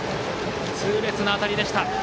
痛烈な当たりでした。